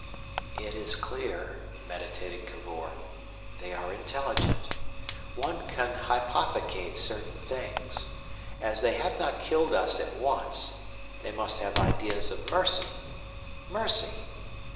"It is clear," meditated Cavor, "they are intelligent. One can hypothecate certain things. As they have not killed us at once, they must have ideas of mercy. Mercy!